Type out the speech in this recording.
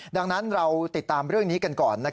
ดังนั้นเราติดตามเรื่องนี้กันก่อน